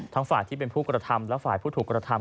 ฝ่ายที่เป็นผู้กระทำและฝ่ายผู้ถูกกระทำ